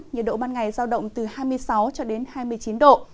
nhiệt độ ban ngày giao động từ hai mươi sáu cho đến hai mươi chín độ